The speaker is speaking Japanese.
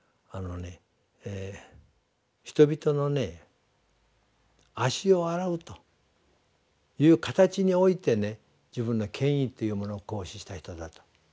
人々の足を洗うという形において自分の権威っていうものを行使した人だと。